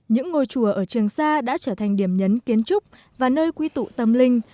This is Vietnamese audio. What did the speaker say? những ngôi chùa ở trường sa đã trở thành điểm nhấn kiến trúc và nơi quy tụ tâm linh